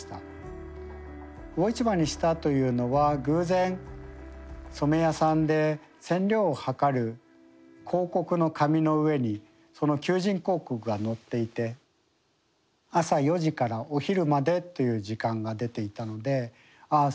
魚市場にしたというのは偶然染め屋さんで染料をはかる広告の紙の上にその求人広告が載っていて朝４時からお昼までという時間が出ていたのでああ